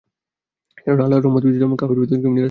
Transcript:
কেননা আল্লাহর রহমত থেকে কাফির ব্যতীত কেউ নিরাশ হয় না।